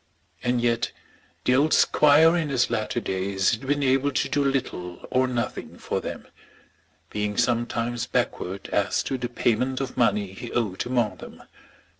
And yet the old squire in his latter days had been able to do little or nothing for them, being sometimes backward as to the payment of money he owed among them.